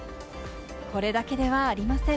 これだけではありません。